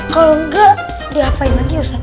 kalau enggak diapain lagi urusan